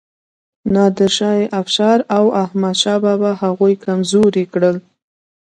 نادر شاه افشار او احمد شاه بابا هغوی کمزوري کړل.